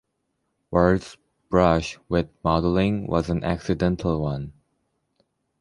Ward's brush with modeling was an accidental one.